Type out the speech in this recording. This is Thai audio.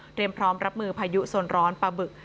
เตรียมพร้อมรับมือพายุส่วนร้อนประบึก